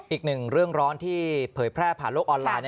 อีกหนึ่งเรื่องร้อนที่เผยแพร่ผ่านโลกออนไลน์